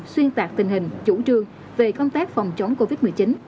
xuyên tạc tình hình chủ trương về công tác phòng chống covid một mươi chín